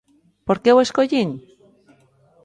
Por que o escollín?